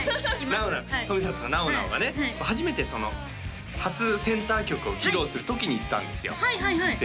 なお冨里さんなおなおがね初めて初センター曲を披露する時に行ったんですよで